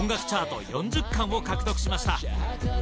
チャート４０冠を獲得しました。